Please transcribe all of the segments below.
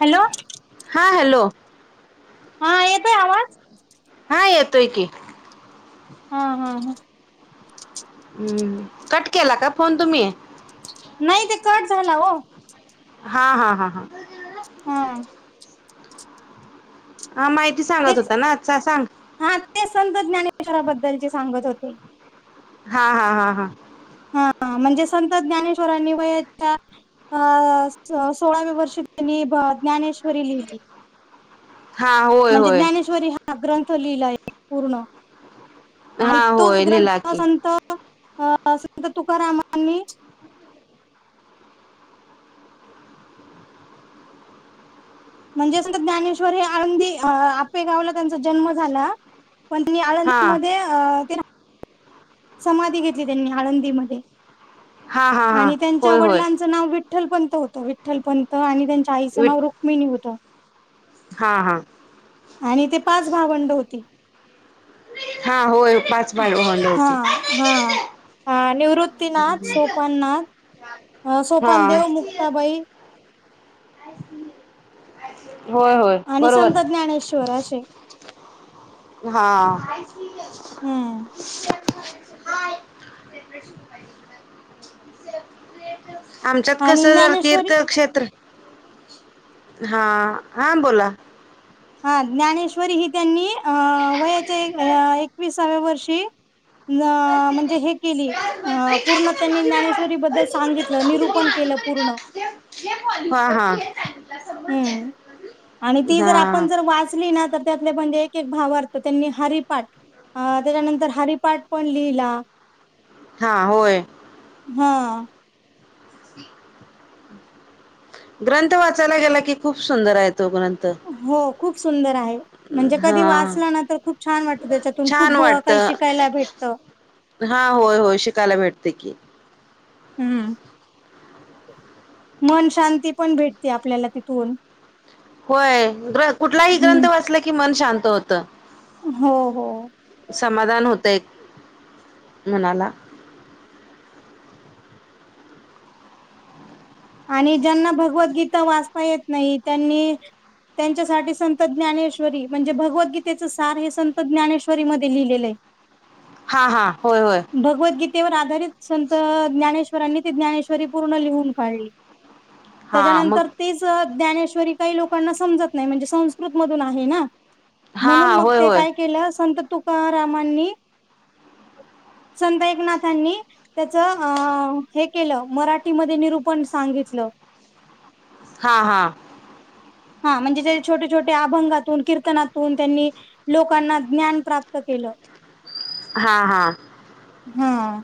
Hello हां hello हा येतय आवाज हा येतोय की हा हा ह हम्म कट केला का फोन तुम्ही नाही ते कट झाला हो हा हा हा हा हा हा माहिती सांगत तेच होता ना आजचा सांग हा ते संत ज्ञानेश्वराबद्दलचे सांगत होते हा हा हा हा हा म्हणजे संत ज्ञानेश्वरांनी वयाच्या अ सोळाव्या वर्षी त्यांनी ज्ञानेश्वरी लिहिली हा होय म्हणजे होय ज्ञानेश्वरी हा ग्रंथ लिहिलाय पूर्ण हा ऐकतोच होय लिहिला ग्रंथ की संत अ संत तुकारामांनी म्हणजे संत ज्ञानेश्वर हे आळंदी आपेगावला त्यांचा जन्म झाला पण तेनी हा आळंदी मध्ये अ ते राहत समाधी घेतली त्यांनी आळंदीमध्ये हा हा हा आणि त्यांच्या होय होय वडिलांच च नाव विठ्ठल पंत होत विठ्ठल पंत आणि त्यांच्या आईचं वि नाव रुक्मिणी होत हा हा आणि ते पाच भावंड होती हा होय पाच [unintelligible] हा हा ह निवृ [unintelligible] अ हा सोपान देव मुक्ताबाई होय होय आणि बरोबर संत ज्ञानेश्वर आहेचे हा हम्म आमच्यात कस आणि जरा ज्ञानेश्वरी तीर्थक्षेत्र हा हा बोला हा ज्ञानेश्वरी ही त्यांनी अ वयाच्या एकविसाव्या वर्षी न म्हणजे हे केली अ पूर्ण त्यांनी ज्ञानेश्वरी बद्दल सांगितलं निरूपण केलं पूर्ण हा हा हम्म आणि ती जर हा आपण जर वाचली ना तर तले म्हणजे एक एक भावारत त्यांनी हरीपाठ अ त्याच्यानंतर हरिपाठ पण लिहिला हा होय हा ग्रंथ वाचायला गेला की खूप सुंदर आहे तो ग्रंथ हो खूप सुंदर आहे म्हणजे हा कधी वाचलं ना तर खूप छान वाटतं त्याच्यातून छान खूप वाटत काही शिकायला भेटतं हा होय होय शिकायला भेटते की, हम्म मन शांती पण भेटते आपल्याला तिथून होय ग कुठलाही ग्रंथ हम्म वाचला की मन शांत होतं. हो हो समाधान होत एक मनाला आणि ज्यांना भगवद्गीता वाचता येत नाही त्यांनी त्यांच्यासाठी संत ज्ञानेश्वरी म्हणजे भगवद्गीतेचं सार हे संत ज्ञानेश्वरी मध्ये लिहिलेलं आहे. [inaudible] हा हा होय होय भगवद्गीतेवर आधारित संत ज्ञानेश्वरांनी ती ज्ञानेश्वरी पूर्ण लिहून काढली हा मग त्याच्यानंतर तेच ज्ञानेश्वरी काही लोकांना समजत नाही म्हणजे संस्कृत मधून आहे ना हा म्हणून हा मग होय ते होय काय केलं संत तुकारामांनी संद एककनाथांनी त्याच अ हे केलं मराठीमध्ये निरूपण सांगितलं हा हा हा म्हणजे छोटे छोटे अभंगातून कीर्तनातून त्यांनी लोकांना ज्ञान प्राप्त केलं. हा हा हम्म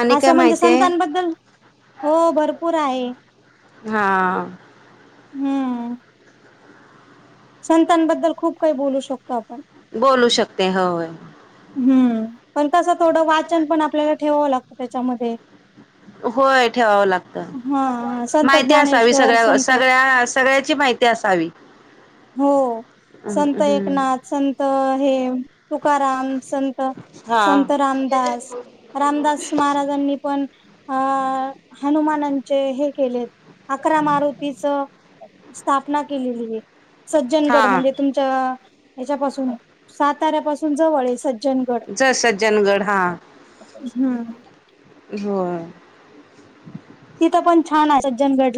आणि काय असं म्हणजे माहिती आहे संतांबद्दल हो भरपूर आहे हां हम्म संतांबद्दल खूप काही बोलू शकतो आपण बोलू शकते हो हम्म पण तसं थोडं वाचन पण आपल्याला ठेवावं लागतं त्याच्यामध्ये होय ठेवावं हा हा लागत संत माहिती असावी ज्ञानेश्वर, सगळ्या संत सगळ्या सगळ्याची माहिती असावी हो हम्म, संत हम्म. एकनाथ संत हे तुकाराम संत हा संत रामदास रामदास महाराजांनी पण अ हनुमानांचे हे केले. अकरा मारुतीच स्थापना केलेली आहे. सज्जनगड, हा म्हणजे तुमच्या हच्यापासून साताऱ्यापासून जवळ आहे सज्जनगड. सज्जनगड हा हम्म होय तिथं पण छान आहे. सज्जनगड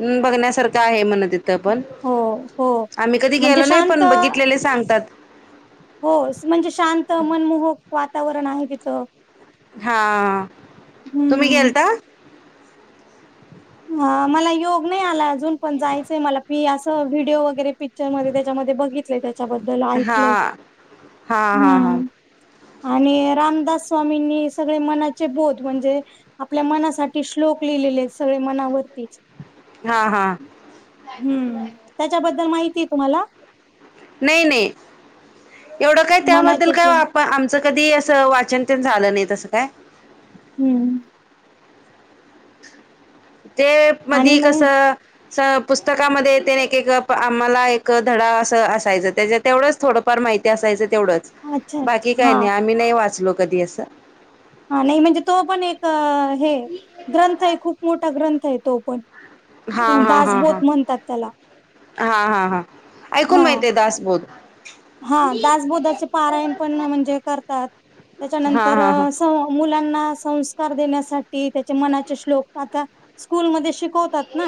हम्म बघण्यासारखं आहे म्हणे तिथं पण. हो, हो. आम्ही कधी म्हणजे गेलो नाही शांत पण बघितलेले सांगतात. हो म्हणजे शांत मनमोहक वातावरण आहे तिथ. हा तुम्ही हम्म. गेलता. हा मला योग नाही आला अजून. पण जायचंय मला. मी असं व्हिडिओ वगैरे पिक्चर मध्ये त्याच्यामध्ये बघित त्याच्याबद्दल हा ऐकलय. हा हा हा हम्म आणि रामदास स्वामींनी सगळे मनाचे बोध म्हणजे आपल्या मनासाठी श्लोक लिहिलेले आहेत. सगळे मनावरती. हा हा हम्म त्याच्याबद्दल माहिती आहे तुम्हाला नाही नाही एवढं काय त्याबद्दल मनाचे काय श्लोक. वा पण आमचं कधी असं वाचन ते झालं नाही तसं काय हम्म ते आणि मधी कस मग पुस्तकामध्ये ते एक एक आम्हाला एक धडा असं असायचं. त्याच्या तेवढंच थोडं फार माहिती असायचं तेवढंच. अच्छा, बाकी अच्छा. काय हा. नाही आम्ही नाही वाचलो कधी असं. हां नायी म्हणजे तो पण एक अं हे ग्रंथ आहे. खूप मोठा ग्रंथ आहे तो पण. हा हा हा दासबोध हा म्हणतात त्याला. हा हा हा ऐकून हा माहितेय दासबोध. हा दासबोधचे पारायण पण म्हणजे करतात. हा त्याच्यानंतर हा हा सौं मुलांना संस्कार देण्यासाठी त्याचे मनाश्लोक आता स्कूलमध्ये शिकवतात ना.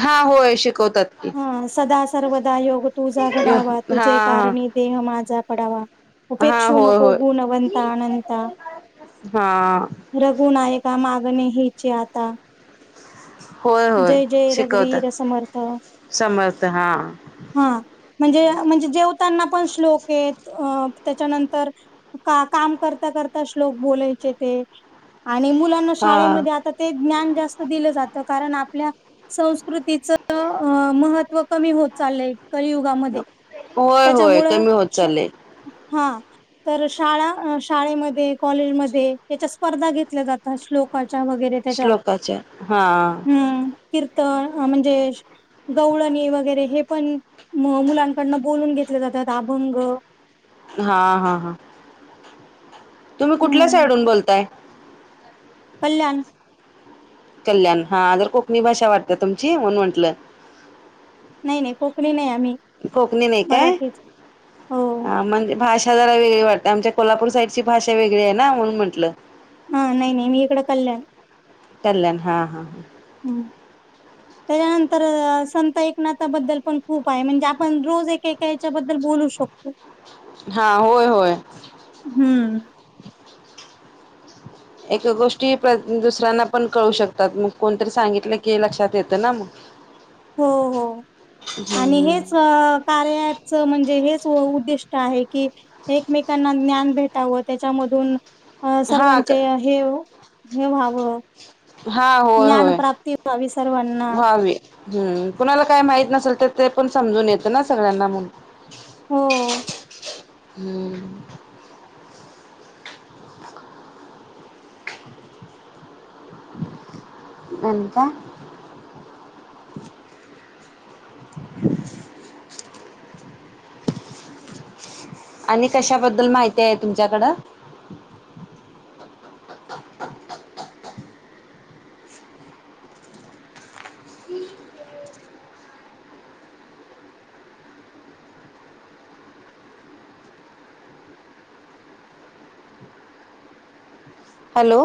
हा होय शिकवतात की हा सदासर्वदा योग तुझा हा घडावा. तुझे हा कारणी देह माझा पडावा. हा उपेक्षू होय नको होय गुणवंता अनंता. हा रघुनायका मागणे हेची आता. होय होय जय जय रघुवीर शिकवतात समर्थ. समर्थ हा हा म्हणजे म्हणजे जेवताना पण श्लोक आहेत. अं त्याच्यानंतर का काम करता करता श्लोक बोलायचे ते आणि मुलां मुलांना हा शाळेमध्ये आता ते ज्ञान जास्त दिलं जात. कारण आपल्या संस्कृतीच अं महत्त्व कमी होत चाललय. कलियुगामध्ये होय होय त्याच्यामुळे कमी होत क्ष चाललंय हां तर शाळा अं शाळेमध्ये कॉलेजमध्ये याच्या स्पर्धा घेतल्या जातात. श्लोकाच्या वगैरे त्याच्या श्लोकाच्या हा हम्म कीर्तन अ म्हणजे गवळणी वगैरे हे पण मुलांकडन बोलून घेतले जातात‌ आभंग हा हा हा तुम्ही कुठल्या हम्म साईडहुन बोलताय. कल्याण. कल्याण, हा जरा कोकणी भाषा वाटते तुमची म्हणून म्हंटल. नायी नायी कोकणी नायी आम्ही. कोकणी नायी काय? मराठीच हो हां म्हणजे भाष षा जरा वेगळी वाटते. आमच्या कोल्हापूर साईडची भाषा वेगळी आहेना म्हणून म्हंटल. ह नाही नाही मी इकडं कल्याण कल्याण हां हां ह. त्यजे नंतर अ संत एकनाथाबद्दल पण खूप आहे म्हणजे आपण रोज एक एक त्याच्याबद्दल बोलू शकतो. हा होय होय. हम. एक गोष्टी प्र दुसऱ्यांना पण कळू शकतात मग कोणतरी सांगितलं की लक्षात येत ना मग. हो हो आणि हेच हम्म अ कार्या ऑपच म्हणजे हेच उ उद्दिष्ट आहे की एकमेकांना ज्ञान भेटावं त्याच्यामधून. अ हा सर्वांचे हे हे व्हाव हा होय ज्ञान होय प्राप्ती व्हावी सर्वांना. ह कुणाला काय माहित नसेल तर ते पण समजून येत ना सगळ्यांना म्हणून. हो. [inaudible] आणि काय. आणि कशाबद्दल माहिती हाय तुमच्याकड. [inaudible] हॅलो.